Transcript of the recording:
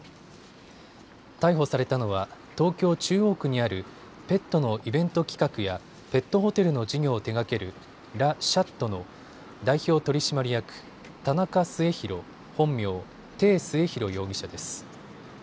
逮捕されたのは東京中央区にあるペットのイベント企画やペットホテルの事業を手がけるＬＡ・Ｃｈａｔｔｅの代表取締役、田中末広、本名・鄭末広容疑者です。